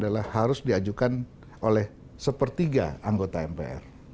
adalah harus diajukan oleh sepertiga anggota mpr